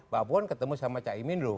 pak buwan ketemu sama cak imin loh